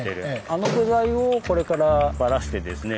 あの部材をこれからばらしてですね